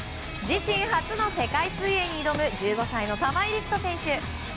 自身初の世界水泳に挑む１５歳の玉井陸斗選手。